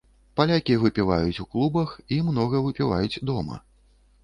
Палякі выпіваюць у клубах і многа выпіваюць дома.